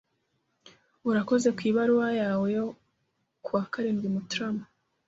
Urakoze kubaruwa yawe yo kuwa karindwi Mutarama.